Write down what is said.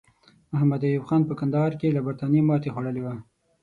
محمد ایوب خان په کندهار کې له برټانیې ماته خوړلې وه.